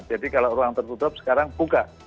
jadi kalau ruang tertutup sekarang buka